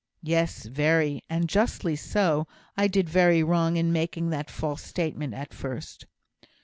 "Yes, very; and justly so. I did very wrong in making that false statement at first."